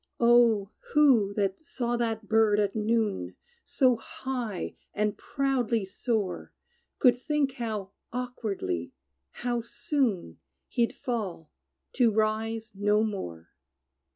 O! who that saw that bird at noon So high and proudly soar, Could think how awkwardly how soon, He'd fall to rise no more?